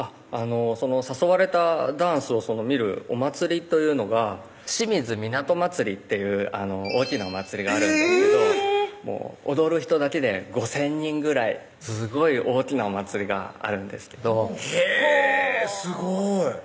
誘われたダンスを見るお祭りというのが清水みなと祭りっていう大きな祭りがあるんですけど踊る人だけで５０００人ぐらいすごい大きなお祭りがあるんですけどへぇすごい